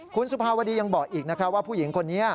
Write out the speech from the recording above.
คุณสุภาวดียังบอกอีกนะคะว่าผู้หญิงคนนี้